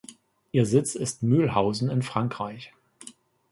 Ihr Sitz ist Mülhausen in Frankreich.